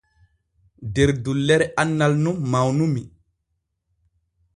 Der dullere annal nun mawnumi.